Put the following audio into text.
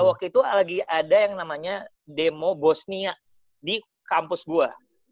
waktu itu lagi ada yang namanya demo bosnia di kampus gue